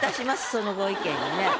そのご意見にね。